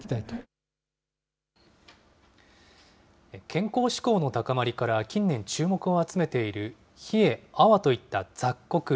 健康志向の高まりから、近年、注目を集めているヒエ、アワといった雑穀。